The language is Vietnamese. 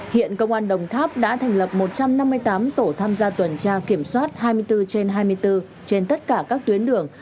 hiện công an đồng tháp đã thành lập một trăm năm mươi tám tổ tham gia tuần tra kiểm soát hai mươi bốn trên hai mươi bốn trên tất cả các tuyến đường